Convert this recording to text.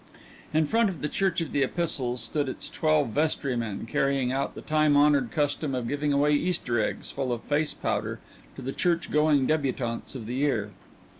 In front of the Church of the Epistles stood its twelve vestrymen, carrying out the time honored custom of giving away Easter eggs full of face powder to the church going débutantes of the year.